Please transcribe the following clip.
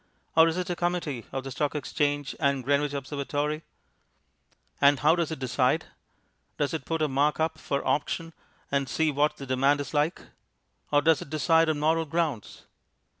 Or is it a Committee of the Stock Exchange and Greenwich Observatory? And how does it decide? Does it put a mark up for auction and see what the demand is like? Or does it decide on moral grounds?